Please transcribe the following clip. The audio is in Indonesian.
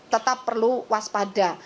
tetap perlu waspada